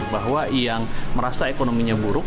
bahwa yang merasa ekonominya buruk